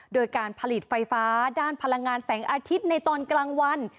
โดยการผลิตไฟฟ้าด้านพลังงานแสงอาทิตย์ในตอนกลางวัน